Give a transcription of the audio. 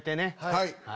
はい。